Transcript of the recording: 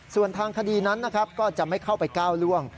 ส่วนทางคดีนั้นนะครับก็จะไม่เข้าไปก้าวล่วง